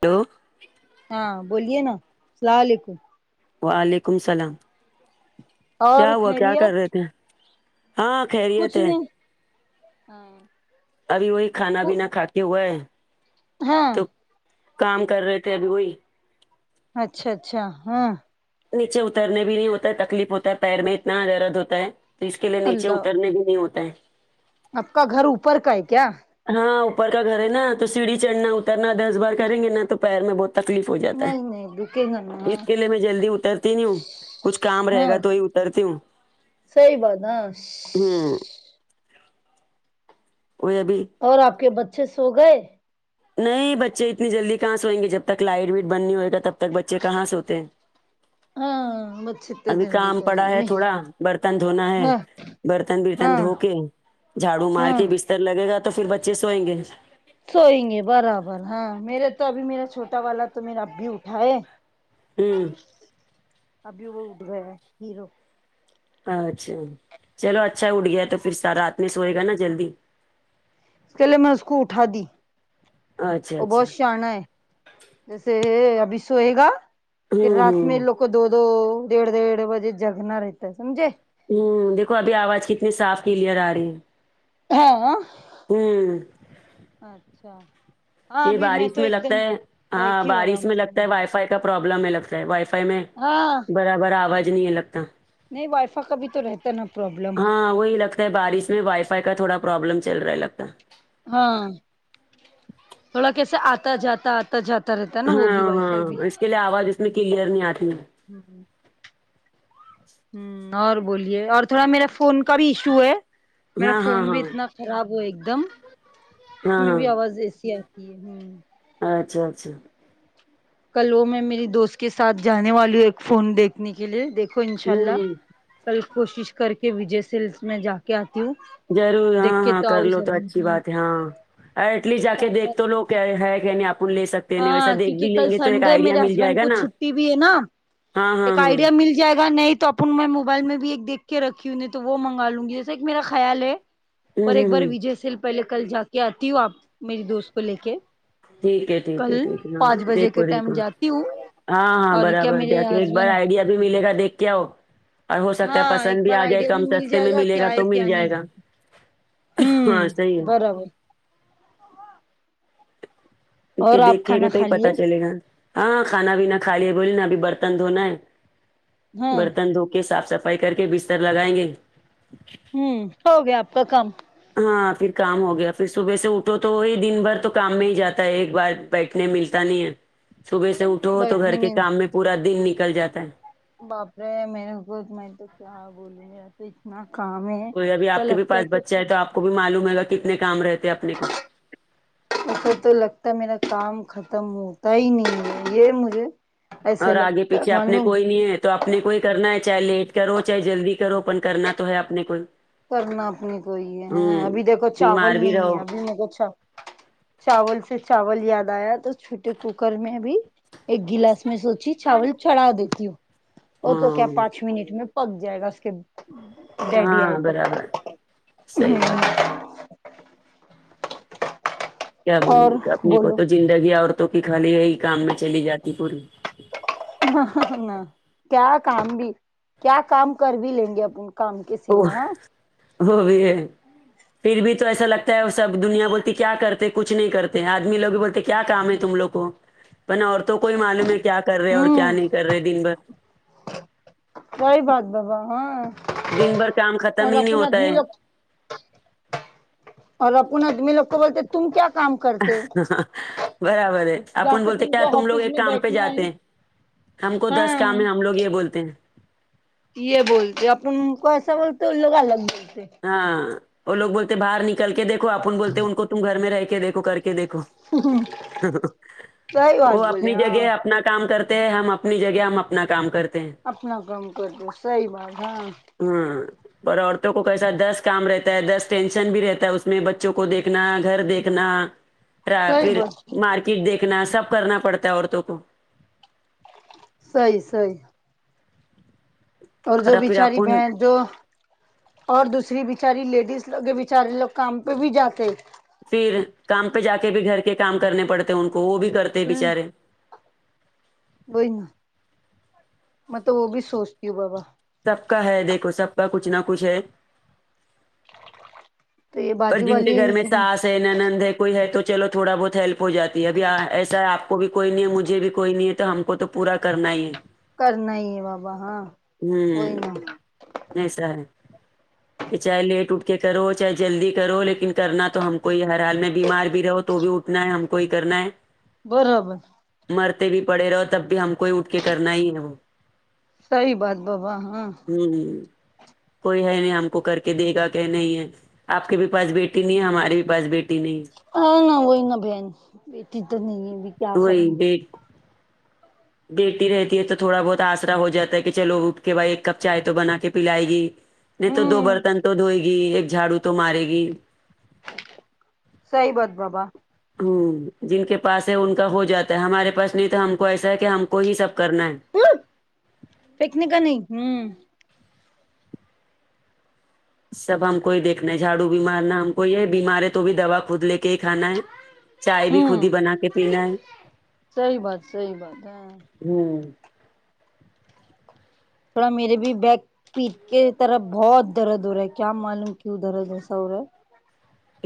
Hello ہاں بولیے نا سلام علیکم وعلیکم سلام اور کیا ہوا کیا کر رہے خیریت تھے ہاں خیریت کچھ ہے نہیں ابھی وہی کھانا بینا کھاکے ہوا ہے ہاں تو کام کر رہے تھے ابھی وہی اچھا اچھا ہاں نیچے اترنے بھی نہیں ہوتا ہے تکلیف ہوتا ہے پیر میں اتنا درد ہوتا ہے تو اس کے لیے نیچے اللہ اترنے بھی نہیں ہوتا ہے آپ کا گھر اوپر کا ہے کیا ہاں اوپر کا گھر ہے نا تو سیڑھی چڑھنا اترنا دس بار کریں گے نہ تو پیر میں بہت تکلیف ہو جاتا نہیں نہیں رکے گا ہے نا اس کے لیے میں جلدی اترتی نہیں ہوں کچھ کام رہے ہاں گا تو ہی ات رتی ہوں صحیح بات ہاں ہوں ہو ابھی اور آپ کے بچے سو گئے نہیں بچے اتنی جلدی کہاں سوئیں گے جب تک لائٹ ویٹ بند نہیں ہوئے گا تب تک بچے کہاں سوتے ہیں ہاں ب ابھی کام پڑا ہے تھوڑا برتن دھونا ہے ہاں برتن برتن ہاں دھو کے جھاڑو مار ہاں کے بستر لگے گا تو پھر بچے سوئیں گے سوئیں گے برابر ہاں میرے تو ابھی میرا چھوٹا والا تو میرا ابھی اٹھا ہے ہمم ابھی وہ اٹھ گیا ہے ہیرو اچھا چلو اچھا ہے اٹھ گیا تو پھر س رات میں سوئے گا نا جلدی اس کےلیے میں اس کو اٹھا دی اچھا وہ اچھا بہت شانہ ہے جیسے ابھی سوئے گا پھر ہوں رات میں ہوں لوگ کو دو دو دھڑ دھڑ بجے جگنا رہتا ہے سمجے ہمم دیکھو ابھی آواز کتنی صاف کلیئر آ رہی ہے ہاں ہمم اچھا ہاں یہ ابھی بارش تو میں ایک لگتا دم ہے ہاں بیٹھی ہوں بارش آرام میں سے لگتا ہے وائی فائی کا پرابلم میں لگتا ہے وائی فائی میں ہاں برابر آواج نہیں ہے لگتا نہیں وائی فائی کا بھی تو رہتا ہے نا پرابلم ہاں وہ لک بارش میں وائی فائی کا تھوڑا پروابلم چل رہا لگتا ہاں تھوڑا کیسا آتا جاتا آ تا جاتا رہتا ہے نا وہ بھی ہاں وائی ہاں فائی بھی اس کے لیے آواز اس میں کلیئر نہیں آتی ہوں ہ اور بولیے اور تھوڑا میرا فون کا بھی ایشو ہے میرا ہاں ہاں فون بھی ہاں اتنا خراب ہوا ایک دم اس ہاں میں بھی آواز ایسی آئے یہ ہم اچھا اچھا کل وہ میں میری دوست کے ساتھ جانے والی ہوں ایک فون دیکھنے کے لیے دیکھو انشاء ہوں اللہ ہوں کل کوشش کر کے وجے سیلس میں جا کے آتی ہوں ضرور دیکھ ہاں کے ہاں کر آؤ لو تو ضرور اچھی بات ہے ہاں اٹلیسٹ جاکے چار دیکھ تو پانچ لو کیا ہے کہ نہیں اپن لے سکتے ہیں نہیں ہاں ویسا دیکھ کیونکہ بھی کل لیں گے تو ایک سنڈے آئیڈیا میرے مل جائے ہسبینڈ گا کو نا چھٹی بھی ہے نا ہاں ہاں ایک ہاں آئیڈیا ہوں مل جائے گا نہیں تو اپن میں موبائل میں بھی ایک دیکھ کے رکھی ہوں نے تو وہ منگا لوں گی جیسا ایک میرا خیال ہے اور ہوں ایک بار ہوں وجے سیل پہلے کل جا کے آتی ہو آپ میری دوست کو لے کے ٹھیک ہے ٹھیک ہے کل ٹھیک ہے ہاں پانچ بجے دیکھو کے ٹائم دیکھو جاتی ہوں ہاں ہاں اور کیا برابر میرے جاکے ایک بار ہسبینڈ آئیڈیا بھی ملے گا دیکھ کے آؤ اور ہو سکتا ہے ہاں ایک پسند بھی بار آ جائے آئیڈیا کم مل سستے جائے میں ملے گا تو مل جائے گا ہمم ہاں صحیح ہے برابر اور کیونکہ آپ دیکھے گے کھانا تو ہی کھا لیے پتا چلے گا ہاں کھانا پینا کھا لیا بولی نا ابھی برتن دھونا ہے ہاں برتن دھو کے صاف سفائی کر کے بستر لگائیں گے ہوں ہو گیا آپ کا کام ہاں پھر کام ہو گیا پھر صبح سے اٹھو تو وہی دن بھر تو کام میں ہی جاتا ہے ایک بار بیٹھنے ملتا نہیں ہے صبح سے اٹھو تو گھر بیٹھنے کے نہیں کام میں پورا دن نکل جاتا ہے باپ رے میرے کو میں تو کیا بولوں تو اتنا کام ہے کوئی ابھی ایسا آپ کے بھی لگتا ہے پاس کہ بچہ تو آپ کو بھی معلوم ہے گا کتنے کام رہتے اپنے کو ایسا تو لگتا ہے میرا کام ختم ہوتا ہی نہیں ہے یہ مجھے ایسے اور آگے لگتا ہے پیچھے اپنے معلوم کوئی نہیں ہے تو اپنے کو ہی کرنا ہے چاہے لیٹ کرو چاہے جلدی کرو اپن کرنا تو ہے اپنے کو کرنا اپنے کو ہی ہے ہوں ابھی دیکھو چاول بیمار بھی نہیں ہے رہو ابھی میں کو چھ چاول سے چاول یاد آیا تو چھوٹے کوکر میں بھی ایک گلاس میں سوچی چاول چڑھا دیتی ہو وہ تو کیا ہاں پانچ منٹ میں پک جائے گا اس کے ڈیڈی آئے ہاں تک برابر صحیح بات ہے کیا اور بولیں اپنے کو بولو تو زندگی عورتوں کی خالی یہی کام میں چلی جاتی پوری ہا ہا۔۔۔ آ۔ کیا کام بھی کیا کام کر بھی لیں گے اپن کام کے وہ سیوا وہ بھی ہے پھر بھی تو ایسا لگتا ہے سب دنیا بولتی کیا کرتے کچھ نہیں کرتے آدمی لوگ بھی بولتے کیا کام ہے تم لوگ کو اپن عورتوں کو ہی معلوم ہے کیا کر رہے اور کیا ہوں نہیں کر رہے دن بھر وہی بات بابا ہاں دن بھر کام ختم اور ہی نہیں اپن ہوتا آدمی ہے لوگ اور اپن ادمی لوگ بولتے تم کیا کام کرتے ہ ہ برابر ہے جا اپن کے بولتے کیا کو تم لوگ آفس ایک میں کام پہ بیٹھنا ہے جاتے ہیں ہم کو دس ہاں کام ہے ہم لوگ یہ بولتے ہیں یہ بولتے اپن کو ایسا بولتے تو ان لوگ الگ بولتے ہاں وہ لوگ بولتے باہر نکل کے دیکھو اپن بولتے ہیں ان کو تم گھر میں رہ کے دیکھو کر کے دیکھو صحیح بات وہ بولے اپنی ہاں جگہ اپنا کام کرتے ہیں ہم اپنی جگہ ہم اپنا کام کرتے ہیں اپنا کام کرتے صحیح بات ہے ہاں ہوں پر عورتوں کو کیسا دس کام رہتا ہے دس ٹینشن بھی رہتا ہے اس میں بچوں کو دیکھنا گھر دیکھنا راہ صحیح پھر بات مارکیٹ دیکھنا سب کرنا پڑتا ہے عورتوں کو صحیح صحیح اور جو پھر بچاری اپن بہن جو اور دوسری بیچاری لیڈیز لوگ کے بیچارے لوگ کام پہ بھی جاتے پھر کام پہ جا کے بھی گھر کے کام کرنے پڑتے ان کو وہ بھی کرتے بچارے وہی میں تو وہ بھی سوچتی ہوں بابا سب کا ہے دیکھو سب کا کچھ نہ کچھ ہے تو یہ پر باجو جن کے والی گھر میں ساس تے نند ہے کوئی ہے تو چلو تھوڑا بہت ہیلپ ہو جاتی ہے اب ایسا ہے آپ کو بھی کوئی نہیں ہے مجھے بھی کوئی نہیں ہے تو ہم وہ تو پورا کرنا ہی ہے کرنا ہی ہے بابا ہاں کوئی ہوں نہ ایسا ہے کہ چاہے لیٹ اٹھ کے کرو چاہے جلدی کرو لیکن کرنا تو ہم کو ہی ہر حال میں بیمار بھی رہو تو بھی اٹھنا ہے ہم کو ہی کرنا ہے برابر مرتے بھی پڑے رہے ہو تب بھی ہم کو ہی اٹھ کے کرنا ہی ہے وہ سحیح بات بابا ہمم کوئی ہے نہیں ہم کو کر کے دے گا کہ نہیں ہے آپ کے بھی پاس بیٹی نہیں ہے ہمارے بھی پاس بیٹی نہیں ہاں نہ وہی نہ بہن بیٹی تو نہیں ہے کیا وہی کریں ہے گے بیٹی رہتی ہے تو تھوڑا بہت آسرا ہو جاتا ہے کی چلو اٹھ کے بھائی ایک کپ چائے تو بنا کے پلائے گی نہیں تو دو ہوں برتن تو دھوئے گی ایک جھاڑو تو مارے گی سحیح بات بابا ہمم جن کے پاس ہے ان کا ہو جاتا ہے ہمارے پاس نہیں تو ہم کو ایسا ہے کہ ہم کو ہی سب کرنا ہے ہمم پھیکنے کا نہیں ہمم سب ہم کو ہی دیکھنا ہے جھاڑو بھی مارنا ہم کو ھی ہے بیمار ہے تو بھی دوا خود لے کے ہی کھانا ہے چائے بھی خود ہی ہوں بنا کے پینا ہے صحیح بات صحیح بات ہیں ہمم تھوڑا میرے بھی بیگ پیٹھ کے طرف بہت درد ہو رہا ہے کیا معلوم کیوں درد ایسا ہو رہا ہے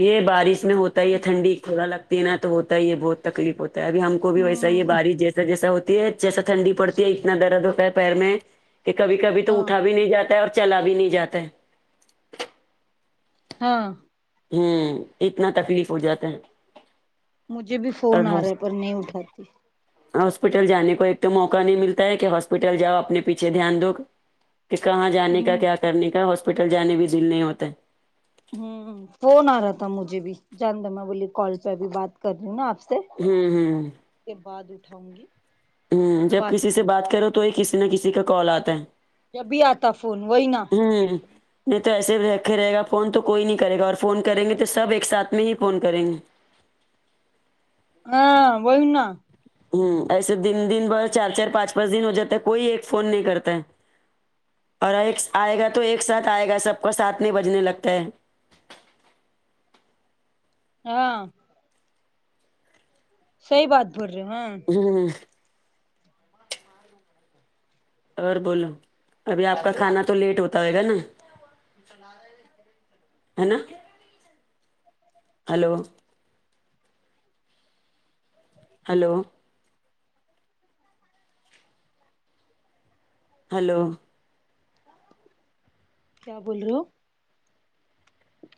یے بارش میں ہوتا ہی ہے ٹھنڈی ھوڑا لگتی ہے نہ تو ہوتا ہی ہے بہت تکلیف ہوتا ہے ابی ہم کو بھی ویسا یے ہے بارش جیسا جیسا ہو دھیرے جیسا ٹھنڈی پڑتی ہے اتنا درد ہوتا ہے پیر میں کی کبھی کبھی تو ہاں اٹھا بھی نہیں جا ہے اور چلا بھی نہیں جاتا ہے ہاں ہممم اتنا تکلیف ہو جاتا ہے مجھے بھی فون اور آ رہا ہاس- ہے پر نہیں اٹھاتی ہاسپٹل جانے کو ایک تو موقع نہیں ملتا ہے کہ ہاسپٹل جاؤ اپنے پیچھے دھیان دو کی کہاں جانے کا ہوں کیا کرنے کا ہاسپٹل جانے بھی دل نہیں ہوتا ہیں ہمم فون آ رہا تھا مجھے بھی جاندے میں بولی کال پے ابھی بات کر رہی ہوں نہ آپ سے ہمم ہمم کے بعد اٹھاؤں گی ہمم جب بات کسی سے کروں بات کرو تو ہی کسی نہ کسی کا کال آتا ہے جبھی آتا فون وہی نا ہمم نہیں تو ایسے رکھے رہے گا فون تو کوئی نہیں کرے گا اور فون کریں گے تو سب ایک ساتھ میں ہی فون کریں گے ہاں وہی نا ہمم ایسے دن دن بھر چار چار پانچ پانچ دن ہو جاتا ہے کوئی ایک فون نہیں کرتا ہے اور ایک آئے گا تو ایک ساتھ آئے گا سب کا ساتھ میں بجنے لگتا ہے ہاں صحیح بات بول رہے ہیں ہمم جی اور بولو ابھی آپ کا کھانا تو لیٹ ہوتا ہوئے گا نا ہے نا ہلو ہلو ہلو کیا بول رہے ہو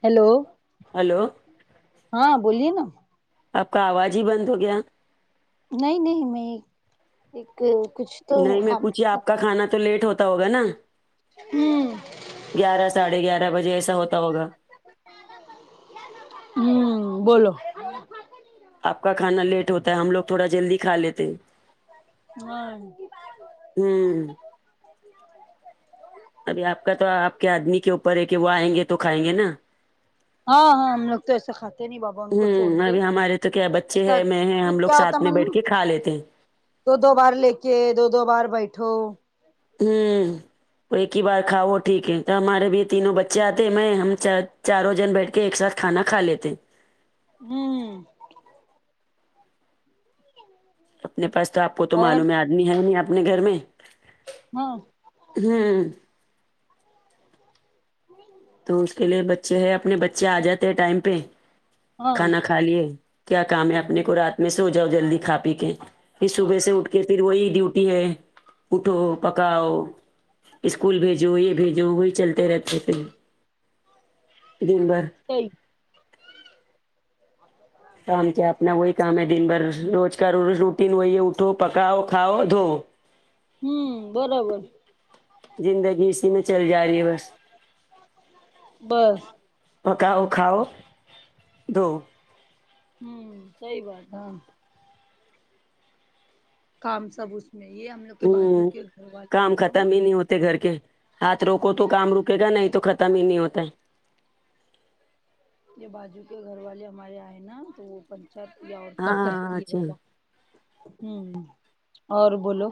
ہیلو ہلو ہاں بولیے نا آپ کا آواز ہی بند ہو گیا نہیں نہیں میں ایک کچھ تو نہیں میں ہوں پوچھیے آپ کا کھانا تو لیٹ ہوتا ہوگا نا امم گیارہ ساڑھے گیارہ بجے ایسا ہوتا ہوگا امم بولو آپ کا کھانا لیٹ ہوتا ہے ہم لوگ تھوڑا جلدی کھا لیتے ہیں ہاں ہوں ابھی آپ کا تو آپ کے آدمی کے اوپر ہے کہ وہ آئیں گے تو کھائیں گے نا ہاں ہاں ہم لوگ تو ایسے کھاتے نہیں بابا ان کو چھوڑ امم کے ابھی ہمارے تو کیا بچے ایسا ہے میں ہے پھر ہم لوگ کیا ہوتا ساتھ میں بیٹھ معلوم کے کہ کھا لیتے ہیں دو دو بار لے کے دو دو بار بیٹھو امم تو ایک ہی بار کھا وہ ٹھیک ہے تو ہمارے بھی تینوں بچے آتے ہے میں ہم چار چاروں جن بیٹھ کے ایک ساتھ کھانا کھا لیتے ہیں امم اپنے پاس تو آپ کو تو اور معلوم ہے آدمی ہے نہیں اپنے گھر میں ہاں امم تو اس کے لیے بچے ہے اپنے بچے آ جاتے ہیں ٹائم پہ ہاں کھانا کھا لیے کیا کام ہے اپنے کو رات میں سو جاؤ جلدی کھا پی کے پھر صبح سے اٹھ کے پھر وہی ڈیوٹی ہے اٹھو پکاؤ اسکول بھیجو یہ بھیجو وہی چلتے رہتے پھر دن بھر صحیح کام کیا اپنا وہی کام ہے دن بھر روز کا روز روٹین وہی اٹھو پکاؤ کھاؤ دھو امم برابر زندگی اسی میں چل جا رہی ہے بس بس پکاؤ کھاؤ دھو امم صحیح بات ہے کام سب اس میں یہ ہم لوگ کے بازو ہوں کے گھر والے کیا ہے کام نا وہ ختم ہی نہیں ہوتے گھر کے ہاتھ روکو تو کام رکے گا نہیں تو ختم ہی نہیں ہوتا یہ باجو کے گھر والے ہمارے آئے نا تو وہ پنچات یا عورتا ہاں کرتی ہے اچھا با امم اور بولو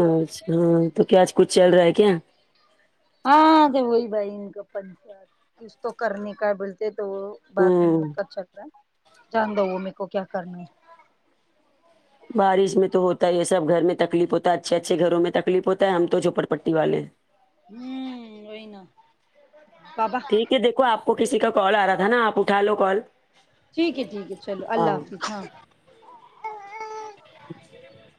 اچھا تو کیا آج کچھ چل رہا ہے کیا ہاں تو وہی بھائی ان کا پنچات کچ تو کرنے کا بولتے تو وہ بات نہیں ہوں اس کا چلرا جان دو وہ میکو کیا کرنا ہے بارش میں تو ہوتا ہی ہے سب گھر میں تکلیف ہوتا ہے اچھے اچھے گھروں میں تکلیف ہوتا ہے ہم تو چھوپڑ پٹی والے امم وہی نا بابا ٹھیک ہے دیکھو آپ کو کسی کا کال آ رہا تھا نا آپ اٹھا لو کال ٹھیک ہے ٹھیک ہے چلو اللہ حافظ ہاں [inaudible]